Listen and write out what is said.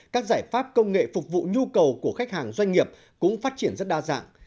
các giải pháp công nghệ phục vụ nhu cầu của khách hàng doanh nghiệp cũng phát triển rất đa dạng